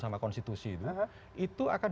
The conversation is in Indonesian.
sama konstitusi itu itu akan